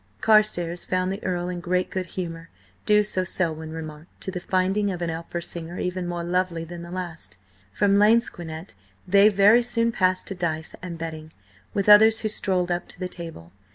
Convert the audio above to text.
Carstares found the Earl in great good humour, due, so Selwyn remarked, to the finding of an opera singer even more lovely than the last. From lansquenet they very soon passed to dice and betting, with others who strolled up to the table.